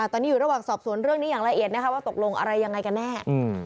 ตอนนี้อยู่ระหว่างสอบสวนเรื่องนี้อย่างละเอียดนะคะว่าตกลงอะไรยังไงกันแน่